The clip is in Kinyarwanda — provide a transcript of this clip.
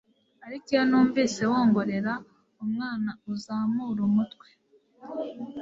ariko iyo numvise wongorera, umwana uzamure umutwe